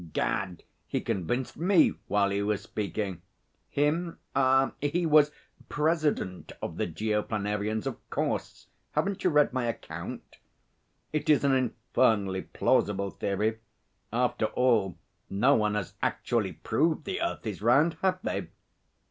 Gad, he convinced me while he was speaking! (Him? He was President of the Geoplanarians, of course. Haven't you read my account?) It is an infernally plausible theory. After all, no one has actually proved the earth is round, have they?'